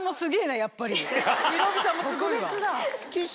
やっぱりヒロミさんもすごいわ。